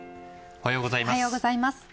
おはようございます。